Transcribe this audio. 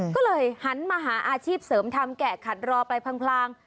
ก็เลยหันมาหาอาชีพเสริมทำแกะขัดรอไปพลาง